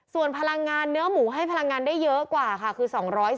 ส่วนพลังงานเนื้อหมูให้พลังงานได้เยอะกว่าค่ะคือ๒๔๐